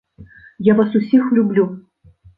Я вас усіх люблю!